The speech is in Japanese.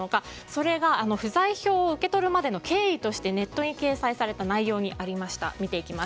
それが不在票を受け取る前の経緯としてネットに掲載された内容にありました。